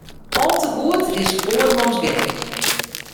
Al te goed is oarmans gek.